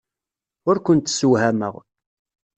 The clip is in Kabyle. Ur kent-ssewhameɣ.